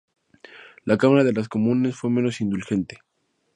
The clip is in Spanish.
La Cámara de los Comunes fue menos indulgente.